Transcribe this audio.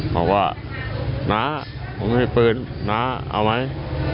เขาว่านะผมไม่มีปืนนะเอาไหม